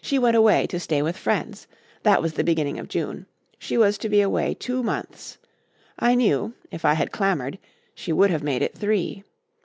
She went away to stay with friends. That was the beginning of June. She was to be away two months. I knew, if I had clamoured, she would have made it three.